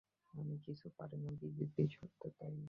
এ জন্য তিনি বিজেপি সরকারকে দায়ী করেন।